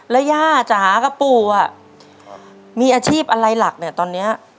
แล้วย่าจะหากับปู่อ่ะมีอาชีพอะไรหลักเนี่ยตอนเนี้ย